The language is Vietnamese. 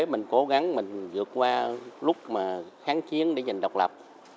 mình cố gắng mình vượt qua lúc mà kháng chiến để giành độc lập